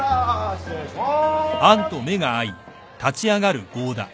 失礼しまーす。